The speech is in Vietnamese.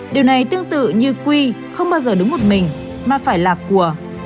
điều này tương tự như quy không bao giờ đúng một mình mà phải lạc quả